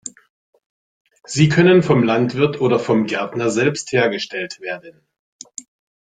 Sie können vom Landwirt oder vom Gärtner selbst hergestellt werden.